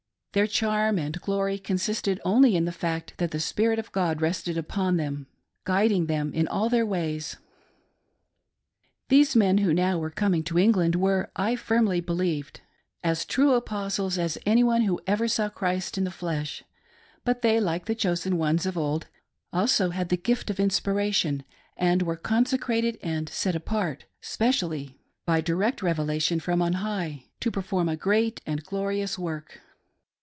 Their charm and glory consisted only in the fact that the spirit of God rested upon them, guiding them in all their ways. These men who now were coming to England were, I firmly believed, as true Apostles as any who ever saw Christ in the flesh ; but they, like the chosen ones of old, had also the gift of inspiration, and were consecrated and set apart specially, by direct revelation from on high, to perform a great and glorious work.